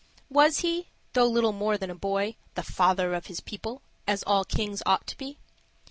Was he, though little more than a boy, "the father of his people," as all kings ought to be?